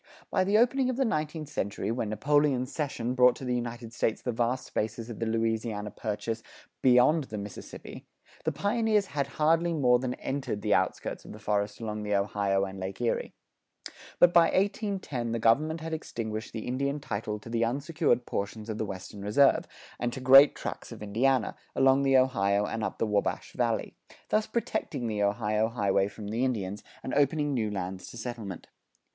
By the opening of the nineteenth century, when Napoleon's cession brought to the United States the vast spaces of the Louisiana Purchase beyond the Mississippi, the pioneers had hardly more than entered the outskirts of the forest along the Ohio and Lake Erie. But by 1810 the government had extinguished the Indian title to the unsecured portions of the Western Reserve, and to great tracts of Indiana, along the Ohio and up the Wabash Valley; thus protecting the Ohio highway from the Indians, and opening new lands to settlement.